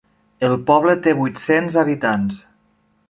El poble té vuit-cents habitants.